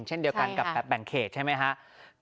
เช่นเดียวกันกับแบล็คแบงเกจใช่ไหมฮะค่ะค่ะ